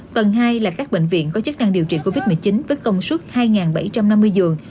tầng hai là các bệnh viện có chức năng điều trị covid một mươi chín với công suất hai bảy trăm năm mươi giường